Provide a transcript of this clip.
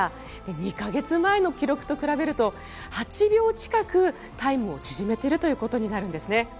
２か月前の記録と比べると８秒近くタイムを縮めていることになるんですね。